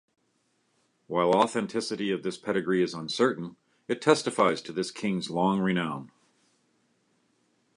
While authenticity of this pedigree is uncertain, it testifies to this king's long renown.